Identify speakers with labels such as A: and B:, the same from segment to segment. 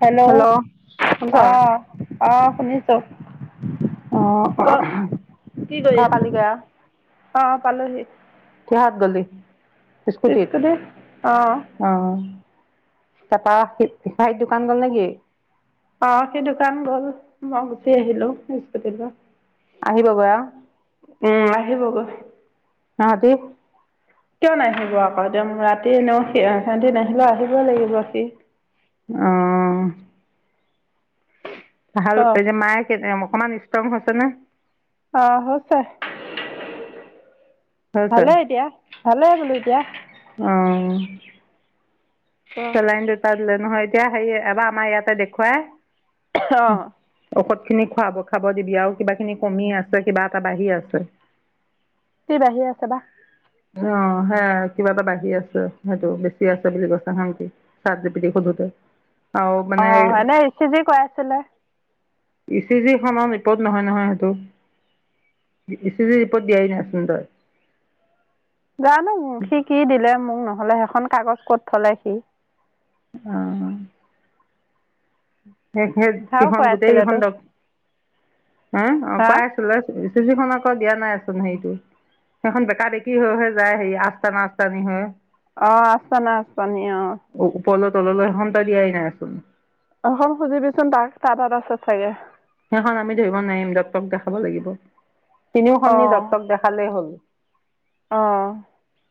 A: Hello
B: শুনিছ?
A: অহ অহ শুনিছোঁ।
B: অ',
A: ক' কি কৰি
B: ঘৰ
A: আছ?
B: পালিগৈ আৰু
A: অ' পালোহি।
B: কিহত গলি, স্কুটিত?
A: স্কুটি অ
B: অ', তাৰপৰা সি ভাইটি দোকান গ'ল নেকি?
A: অ' সি দোকান গ'ল। মই গুচি আহিলো স্কুটি লৈ।
B: আহিবগৈ আৰু।
A: উম আহিব গৈ।
B: সিহঁতি
A: কিয় নাহিব আকৌ একদম ৰাতি এনেও সি সিহঁতি নাহিলেও আহিবই লাগিব সি।
B: অ',
A: ক
B: ভাল, এই যে মায়ে অকমান ষ্ট্ৰং হৈছে নে?
A: অহ হৈছে।
B: হৈছে।
A: ভালে এতিয়া, ভালেই বোলো এতিয়া।
B: অ'।
A: অ
B: চেলাইন দুটা দিলে নহয়, এতিয়া হে এবাৰ আমাৰ ইয়াতে দেখুৱাই
A: অ
B: ঔষধখিনি খুৱাব খাব দিবি আৰু। কিবাখিনি কমি আছে কিবা এটা বাঢ়ি আছে।
A: কি বাঢ়ি আছে বা!
B: অ সেয়া কিবা এটা বাঢ়ি আছে, সেইটো বেছি আছে বুলি কৈছে। চাত যি পি টিত সোধোতে। আৰু মানে
A: অ', এনেই ই চি জি কৰাইছিলে।
B: ই চি জি খনৰ ৰিপৰ্ট নহয় নহয় সেইটো। ই চি জি ৰিপৰ্ট দিয়াই নাইচোন তই।
A: জানো সি কি দিলে মোক ন'হলে, সেইখন কাগজ ক'ত থলে সি।
B: অ'। সেই সেই
A: সেয়াও
B: গীখন গোটেই
A: কৰাইছিলেতো
B: কেইখন ডক্ট, উম অ'
A: হা
B: কৰাই লৈছোঁ ই চি জিখন আকৌ দিয়া নাইচোন হেৰিটো। সেইখন বেকা বেকী হৈ হৈ যায়, হেৰি আচতানা আচতানি হৈ।
A: অ', আচতানা আচতানি অ।
B: ওপৰলৈ তললৈ সেইখন তই দিয়াই নাইচোন।
A: অঁ, সেইখন খুজিবিচোন তাক, তাৰ তাত আছে চাগে?
B: সেইখন আমি ধৰিব নোৱাৰিম ডক্টৰক দেখাব লাগিব। তিনিও
A: অ
B: খন নি ডক্টৰক দেখালেই হ'ল।
A: অঁ।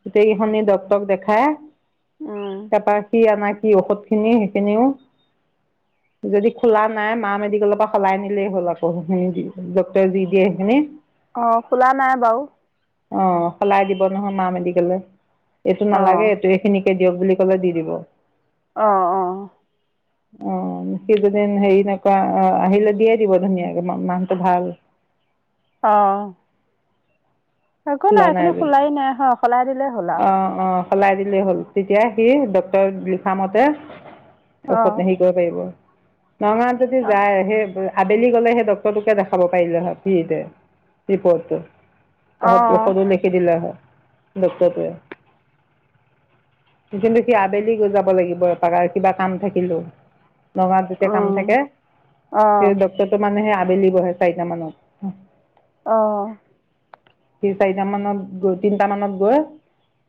B: গোটেইকেইখনিক ডক্তৰক দেখাই
A: উম
B: তাৰপা সি আনা কি ঔষধ খিনি সেইখিনিও যদি খোলা নাই মা মেডিকেলৰ পৰা সলাই নিলেই হ'ল আকৌ সেইখিনি ডক্টৰে যি দিয়ে সেইখিনি।
A: অ খোলা নাই বাৰু।
B: অঁ, সলাই দিব নহয় মা মেডিকলে, এইটো
A: অ
B: নালাগে এইটো এইখিনি সেই দিয়ক বুলি ক'লে দি দিব।
A: অঁ অঁ।
B: অঁ, সি যোনে হেৰি নাইকোৱা আহিলে দিয়ে দিব ধুনীয়াকে মানুহটো ভাল।
A: অঁ। একো নাই এইখিনি খোলাই নাই হয় সলাই দিলেই হ'ল। আৰু
B: অঁ অঁ, সলাই দিলেই হ'ল তেতিয়া সি ডক্টৰে লিখামতে
A: অ
B: ঔষধ হেৰি কৰিব পাৰিব, নগাঁৱাত যদি যায় সেই আবেলি গ'লে সেই ডক্টৰটোকে দেখাব পাৰিলে হয়, ফ্ৰিতে ৰিপৰ্টটো।
A: অ অ
B: ঔষধ ঔষধো লিখি দিলে হয় ডক্টটোৱে। কিন্তু সি আবেলি যাব লাগিব কাবা কিবা কাম থাকিলো। নগাঁওত যেতিয়া কাম
A: উম
B: থাকে,
A: অ
B: সেই ডক্টৰটো মানে সেই আবেলি বহে চাৰিটা মানত।
A: অঁ।
B: সি চাৰিটা মানত গৈ তিনটা মানত গৈ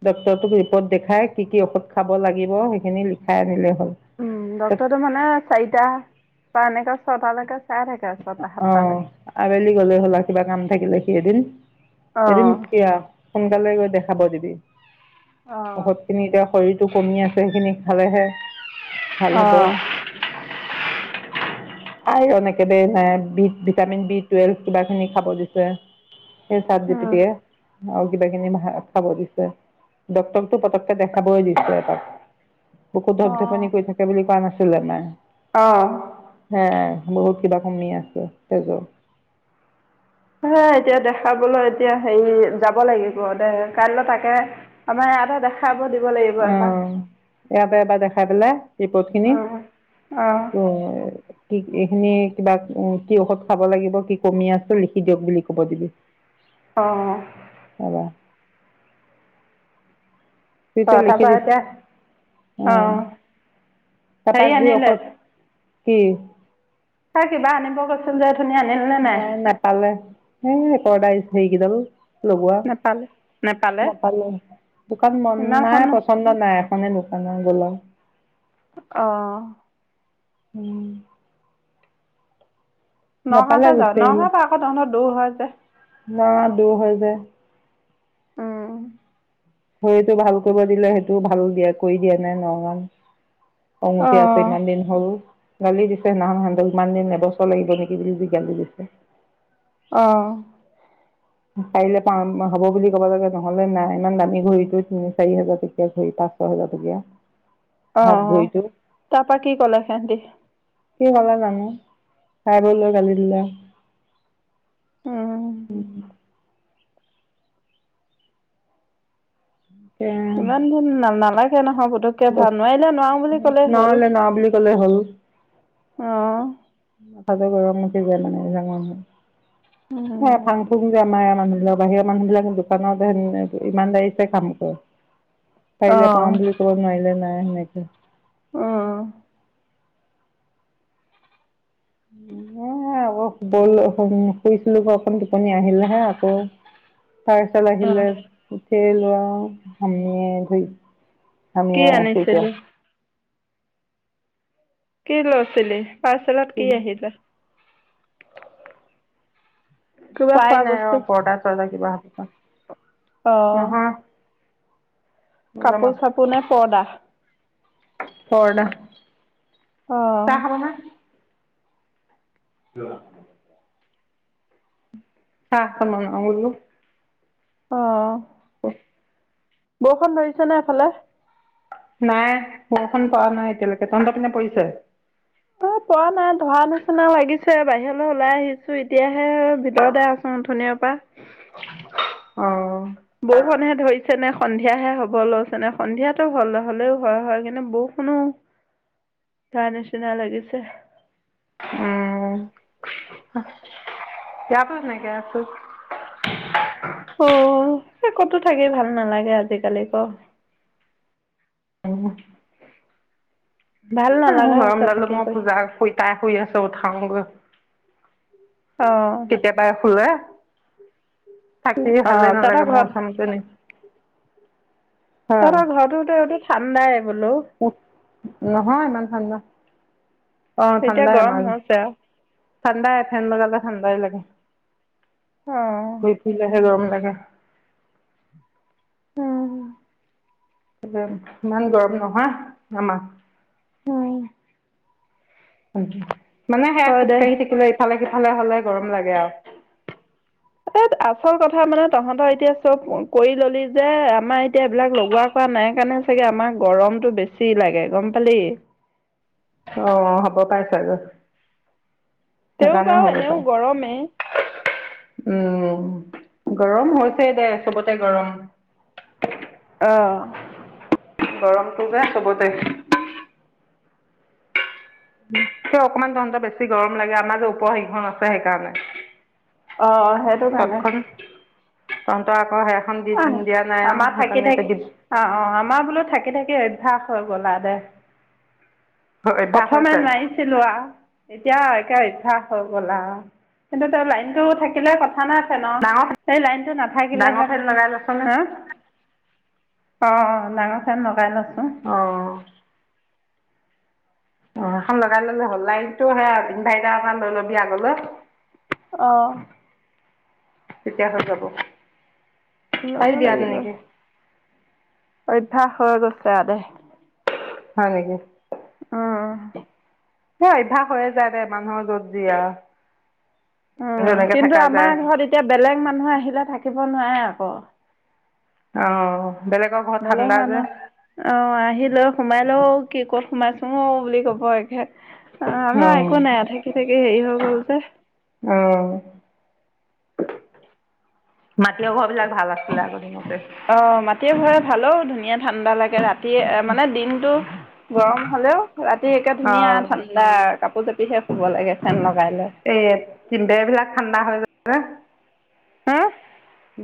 B: ডক্টৰটোক ৰিপৰ্ট দেখাই কি কি ঔষধ খাব লাগিব, সেইখিনি লিখাই আনিলে হ'ল।
A: উম, ডক্টৰটো মানে চাৰিটা বা এনেকুৱা ছটালৈকে চাই থাকে ছটা সাতটা
B: অঁ
A: লৈকে।
B: আবেলি গলে হ'ল আও কিবা কাম থাকিলে সি এদিন,
A: অ
B: এদিন কিয় সোনকালে গৈ দেখাব দিবি,
A: অ
B: ঔষধ খিনি এতিয়া শৰীৰটো কমি আছে, সেই সিনি খালেহে ভাল
A: অ
B: হ'ব। আইৰন একেবাৰে নাই বি ভিটামিন বি টুৱেলভ কিবা খিনি খাব দিছে। সেই
A: উম
B: চাপজিপিটিয়ে। আৰু কিবা কিনি ভ খাব দিছে, ডক্তটৰকটো পতকে দেখাব‌ই দিছে এপাক। বকো ধপ ধপনি কৰি থাকে বুলি কোৱা নাছিল যে মায়ে।
A: অহ।
B: হেয়াই বহুত কিবা কমি আছে তেজত।
A: হে এতিয়া দেখাবলৈ এতিয়া হেৰি যাব লাগিব দে কাইলৈ তাকে আমাৰ ইয়াতে দেখাব দিব লাগিব
B: অ
A: এপাক।
B: ইয়াতে এপাক দেখাই পেলাই ৰিপৰ্ট খিনি
A: অঁ অঁ
B: উ কি এইখিনি কিবা কি ঔষধ খাব লাগিব কি কমি আছে, লিখি দিয়ক বুলি কব দিবি।
A: অঁ।
B: হ'ব। যিটোৱে
A: অঁ
B: লিখি
A: তাৰপৰা
B: দি
A: এতিয়া
B: অঁ তাপা
A: হেৰি
B: যি
A: আনিলে
B: ঔষধ কি?
A: তই কিবা আনিব গৈছিল যে, ওঠনি আনিলি নে নাই?
B: নেপালে। এই পৰ্দাৰ হেৰি গিদাল। লগোৱা,
A: নেপালে নেপালে
B: নাপালে, দোকান বন্ধ
A: ইমানখন
B: নাই পচন নাই, এখনে দোকান আৰু গ'ল আউ।
A: অ'।
B: উম। নাপালে
A: নগাঁৱতে যাওঁ,
B: গুচি
A: নগাঁৱৰ পা আকৌ তহঁতৰ দূৰ হয় যে।
B: নগাওঁ দুৰ হয় যে। ঘড়ীটো ভাল কৰিব দিলে হেইটোও ভাল দিয়া কৰি দিয়া নাই, নগাঁও। খং উঠি আছে ইমান
A: অঁ
B: দিন হ'ল। গালি দিছে হেদিনাখন, হেতক ইমান দিন এবছৰ লাগিব নেকি বুলি যি গালি দিছে।
A: অ'।
B: পাৰিলে পাম হ'ব বুলি ক'ব লাগে, নহ'লে নাই, ইমান দামী ঘড়ীটো তিনি চাৰি হাজাৰ টকীয়া ঘড়ী পা ছহেজা টকীয়া। হাত
A: অ'-অ'-অ'।,
B: ঘড়ীটো
A: তাৰপা কি ক'লে সেহটি?
B: কি ক'লে জানো, খাই বৈ লৈ গালি দিলে আও। উম। এ
A: ইমান দিন না-নালাগে নহয় বোধক তে ভাল,
B: বস্তু
A: নোৱাইলে নোৱাও বুলি ক'লেই হ'ল,
B: নহ'লে ন বুলি ক'লে হ'ল
A: অ'।
B: মাথাটো গৰম উঠি যায় মানে জান মোৰ।
A: উম।
B: স্ৱয়া ফাং-ফুং যে আমা এয়া মানুহ বিলাকৰ, বাহিৰৰ মানুহ বিলাক দোকানত ই-ইমানদাৰিছে কাম কৰে।
A: [inaudible]
B: পাৰিলে পাৰোঁ বুলি ক'ব, নোৱাৰিলে নাই হেনেকে।
A: উম। [inaudible]
B: এ এইবোৰ ব'ল, শুই [unintelligible] শুইছিলো হে অথনি টোপনি আহিলেহে আকৌ, তাৰ পাৰ্চেল
A: অ
B: আহিলে, উঠি আহিলোঁ আও, হামীয়াই ধৰিছে।
A: কি
B: হামিয়াই আছোঁ এতিয়া।
A: আনিছিলি কি লৈছিলি? পাৰ্চেলত কি আহিলে? কিবা
B: চোৱাই
A: খোৱা
B: নাই
A: বস্তু
B: ৰহ, পৰ্দা-চৰ্দা কিবা আছে চাগে।
A: অ'। কাপোৰ-চাপোৰ নে পৰ্দা?
B: পৰ্দা। চাহ
A: অ'।
B: খাবা নে? [unintelligible] [unintelligible]
A: অ'।
B: [unintelligible]
A: বৰষুণ ধৰিছে নে সেফালে?
B: নাই, বৰষুণ পৰা নাই এতিয়ালৈকে, তহঁতৰ পিনে পৰিছে?
A: অ', পৰা নাই, ধৰা নিচিনা লাগিছে, বাহিৰলে ওলাই আহিছোঁ‌। এতিয়াহে ভিতৰতে আছোঁ‌। উম অথনীয়া পা।
B: অ'।
A: বৰষুণহে ধৰিছে নে, সন্ধিয়াহে হ'ব লৈছে নে, সন্ধিয়াটো হ-হ'লেও হয় হয় কিনো বৰষুণো তাই নিচিনা লাগিছে।
B: উম এয়াতো হেনেকে আছে।
A: অ এ ক'তো থাকি ভাল নেলাগে আজি কালি ক।
B: উম।
A: ভাল
B: উহ
A: নালাগা
B: গৰম
A: হৈছে
B: দালো
A: থাকি
B: মই
A: কৰি
B: পূজা শুই তাই শুই আছে উঠাং গৈ।
A: অ।
B: একেবাৰে শুলে থাকি
A: অ
B: ভালে
A: তহঁতৰ
B: নালাগে
A: ঘৰত
B: মন চন তেনে।
A: তহঁতৰ ঘৰটো তেওটো ঠাণ্ডাই বোলো।
B: নহয় ইমান ঠাণ্ডা অ
A: এতিয়া
B: ঠাণ্ডাই
A: গৰম
B: আমাৰ।
A: হৈছে আৰু
B: ঠাণ্ডাই ফেন লগালে ঠাণ্ডাই লাগে
A: অ
B: ঘুৰি ফুৰিলে হে গৰম লাগে
A: উম
B: ইমান গৰম নহয় আমা
A: উম
B: মানে সেয়া
A: হয় দে
B: খোজকাঢ়ি থাকিলে ইফালে সিফালে হ'লে গৰম লাগে আৰু
A: এ আচল কথা মানে তহঁতৰ এতিয়া চব কৰি ললি যে আমাৰ এতিয়া এইবিলাক লগোৱা লগোৱা নাই কাৰণে চাগে আমাক গৰমটো বেছি লাগে গম পালি
B: অ হ'ব পাৰে ছাগৈ
A: তেও
B: সেইকাৰণেও
A: বাৰু
B: হ'ব
A: এনেও
B: পায়
A: গৰমেই
B: উম গৰম হৈছে দে চবতে গৰম
A: অ
B: গৰমটো যে চবতে অকণমান ধৰ বেছি গৰম লাগে আমাৰ যে ওপৰত সেইখন আছে সেইকাৰণে
A: অ অ কাৰণে
B: চতখন তহঁতৰ আকৌ সেইখন দি
A: অ',
B: দিয়া নাই
A: আমাৰ
B: আৰু
A: থাকি
B: সেইকাৰণে
A: থাকি
B: এতিয়া
A: অ অ আমাৰ বোলো থাকি থাকি অভ্যাস হৈ গ'লা আৰু দে
B: অভ্যাস
A: প্ৰথমে
B: হৈছে
A: নাই লোৱা এতিয়া একে অভ্যাস হৈ গ'ল আৰু কিন্তু তেওঁ লাইনতটো থাকিলে ক কথা নাই ফেনৰ
B: ডাঙৰ
A: সেই লাইনটো
B: ডাঙৰ
A: নাথাকিলেহে
B: ফেন
A: মানে
B: লগাই লৈছনে
A: হা অ অ ডাঙৰ ফেন লগাই লোইছো
B: উ অ এখন লগাই ললে হ'ল লাইনটো সেই ইনভাইটাৰ এখন লৈ ল'বি আগলৈ
A: অ
B: তেতিয়া হৈ যাব
A: ল'ব
B: পাইবি আৰু
A: লাগিব
B: তেনেকে
A: অভ্যাস হৈ গৈছে আৰু দে
B: হয় নেকি
A: উম
B: সেই অভ্যাস হৈয়ে যায় দে মানুহৰ য'ত যি আৰু
A: উম
B: যেনেকে
A: কিন্তু
B: থাকা
A: আমাৰ
B: যায়।
A: ঘৰত এতিয়া বেলেগ মানুহ আহিলে থাকিব নোৱাৰে আকৌ
B: অ বেলেগ
A: ভালে হ'ল [unintelligible] অ আহিলৈ সোমাই লৈ কি ক'ত সোমাইছোঁ অ বুলি কব একে অ আমাৰ একো নাই থাকি থাকি হেৰি হৈ গল যে
B: অ মাটি ঘৰ বিলাক ভাল আছিলে আগৰ দিনতে
A: অ মাটিয়ে ঘৰো ভালে অ' ধুনীয়া ঠাণ্ডা লাগে ৰাতিয়ে মানে দিনটো গৰম হলেও ৰাতি একে ধুনীয়া
B: অ'
A: ঠাণ্ডা কাপোৰ জাপিহে শুব লাগে ফেন লগাই লৈ
B: এ তিন বেৰবিলাক ঠাণ্ডা হৈ যায় যে।
A: হ?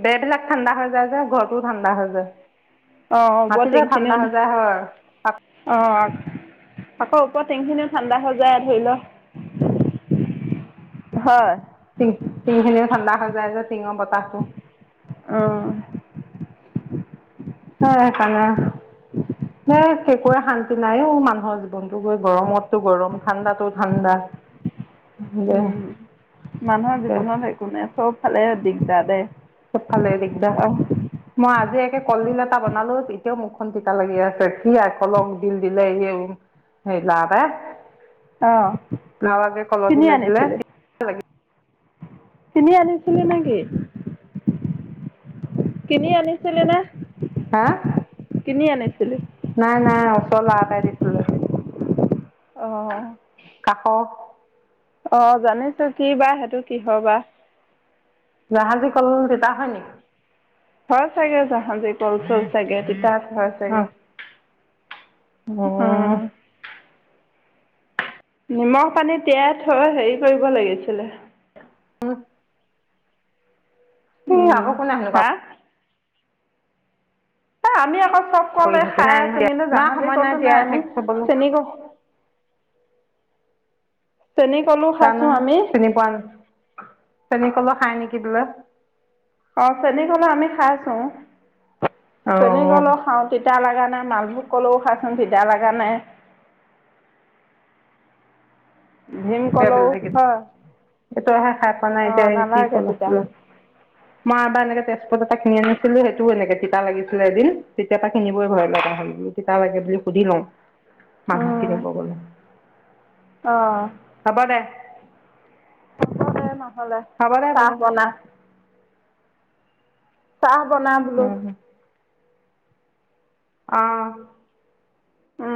B: বেৰবিলাক ঠাণ্ডা হৈ যায় যে, ঘৰটোও ঠাণ্ডা হৈ যায়।
A: অ অ ওপৰৰ
B: মাটিটো
A: টিংখিনিও
B: ঠাণ্ডা হৈ যায় হয়।
A: অহ। আকৌ ওপৰৰ টিংখিনিও ঠাণ্ডা হৈ যায় ধৰি ল‌। হয়।
B: তি টিংখিনি ঠাণ্ডা হৈ যায় যে টিঙৰ বতাহতো।
A: উম।
B: হয় ঠাণ্ডা।
A: [unintelligible]
B: ন একোৰে শান্তি নাইও, মানুহৰ জীৱনটো গৈ গৰমতো গৰম ঠাণ্ডাটো ঠাণ্ডা।
A: [unintelligible] উম, মানুহৰ জীৱনত একো নাই চবফালে দিগদাৰ দে।
B: চব ফালে দিগদাৰ।
A: অহ
B: মই আজি একে কলডিল এটা বনালোঁ এতিয়াও মুখখন তিতা লাগি আছে কি আকলক দিল দিলে
A: অঁ
B: [unintelligible] [unintelligible] কল
A: কিনি
B: দিলে দিলে।
A: আনিছিলি কিনি আনিছিলে নেকি? কিনি আনিছিলে নে?
B: হা?
A: কিনি আনিছিলি?
B: নাই নাই ওচ কৰা এটাই দিছিলে।
A: অ',
B: কাষৰ
A: অ জানিছো কিবা সেইটো কিহৰ বা।
B: জাহাজী কল তিতা হয়নি?
A: হয় চাগে জাহাজী কল চল চাগে তিতা হয়। তাকে, উম। নিমখ পানী তিয়াই থৈ হেৰি কৰিব লাগিছিলে।
B: কি
A: উম
B: আকৌ কোনে সেনেকোৱা
A: হা এ, আমি আকৌ চব
B: কৰি
A: কলে
B: থাকে
A: খাই
B: নাই
A: আছো,
B: নহয়
A: কিন্তু
B: ইমান
A: জাহাজী
B: সময়
A: কলতো নাই
B: তিয়াই
A: আমি
B: থাকি থবলৈ
A: চেনী ক চেনি কলো
B: জানো,
A: খাইছোঁ আমি
B: চেনি পোৱা, চেনী কলো খাই নেকি বোলে।
A: অ', চেনী কলো আমি খাইছো,
B: অ
A: চেনি কলো খাওঁ। তিতা লাগা নাই মালভোক ক'লো খাচোন তিতা লগা নাই। ভীম কলৌ
B: বেলেগ
A: হয়,
B: এইটোহে খাই পোৱা নাই
A: অ',
B: এতিয়া কি
A: নালাগে
B: কল
A: তিতা।
B: আছিলে মই এবাৰ এনেকে তেজপত এটা কিনি আনিছিলো সেইটোও এনেকে তিতা লাগিছিলে এদিন তেতিয়াৰ পৰা কিনিবই ভয় লগা হ'ল বোলো। তিতা লাগে বুলি সুধি লওঁ। মানুহ কিনব' গ'লে।
A: অ'।
B: হ'ব দে।
A: হ'ব দে নহ'লে।
B: হ'ব দে
A: চাহ
B: বোলো।
A: বনা চাহ বনা বোলো।
B: উম অ'।
A: উম।